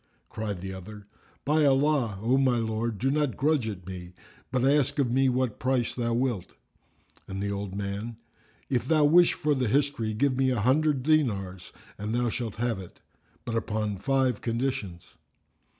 Cried the other, "By Allah, O my lord, do not grudge it me, but ask of me what price thou wilt." And the old man, "If thou wish for the history give me an hundred dinars and thou shalt have it; but upon five conditions."